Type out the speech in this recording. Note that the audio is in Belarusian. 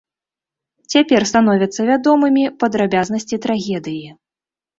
Цяпер становяцца вядомымі падрабязнасці трагедыі.